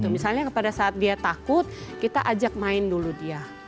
misalnya pada saat dia takut kita ajak main dulu dia